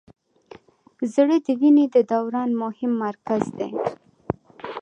زړه د وینې د دوران مهم مرکز دی.